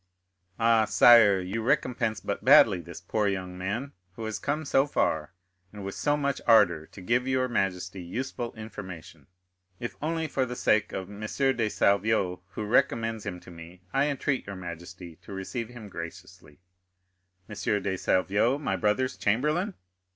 "Ah, sire, you recompense but badly this poor young man, who has come so far, and with so much ardor, to give your majesty useful information. If only for the sake of M. de Salvieux, who recommends him to me, I entreat your majesty to receive him graciously." "M. de Salvieux, my brother's chamberlain?"